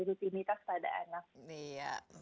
rutinitas pada anak